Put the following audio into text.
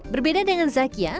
berbeda dengan zakia